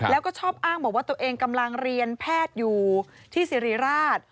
แล้วก็ชอบอ้างบอกว่าตัวเองกำลังเรียนแพทย์อยู่ที่สิริราช